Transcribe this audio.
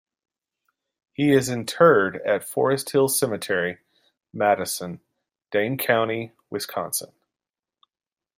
He is interred at Forest Hill Cemetery, Madison, Dane County, Wisconsin.